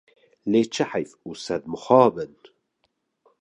Lê çi heyf û sed mixabin!